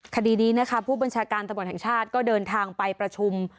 คดีนี้นะคะผู้บัญชาการตำรวจแห่งชาติก็เดินทางไปประชุม